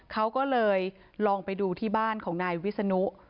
เขาก็เลยลองไปดูที่บ้านของนายวิศนุ